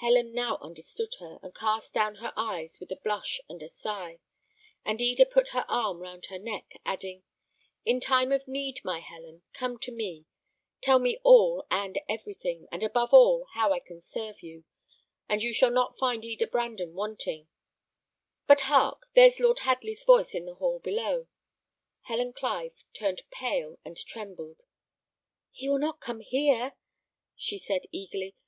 Helen now understood her, and cast down her eyes with a blush and a sigh; and Eda put her arm round her neck, adding, "In time of need, my Helen, come to me. Tell me all and everything, and above all, how I can serve you; and you shall not find Eda Brandon wanting. But, hark! there's Lord Hadley's voice in the hall below." Helen Clive turned pale and trembled. "He will not come here?" she said, eagerly.